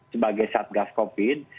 sebagai saat gas covid